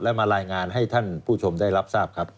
และมารายงานให้ท่านผู้ชมได้รับทราบครับ